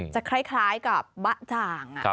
จะคล้ายกับบะจ่าง